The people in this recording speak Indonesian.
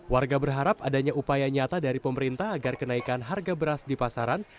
warga berharap adanya upaya nyata dari pemerintah agar kenaikan harga beras di pasaran